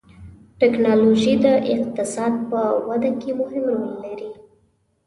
ټکنالوجي د اقتصاد په وده کې مهم رول لري.